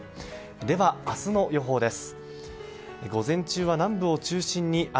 では、明日の予報です。